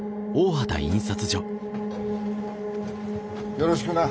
よろしくな。